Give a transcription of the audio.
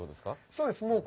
はいそうですね。